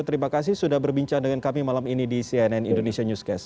terima kasih sudah berbincang dengan kami malam ini di cnn indonesia newscast